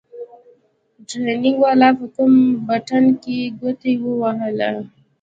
ټرېننگ والا په کوم بټن کښې گوته ووهله.